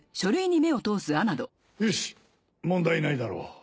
よし問題ないだろう。